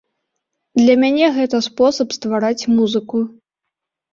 Для мяне гэта спосаб ствараць музыку.